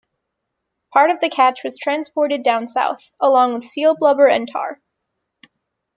Part of the catch was transported down south, along with Seal blubber and tar.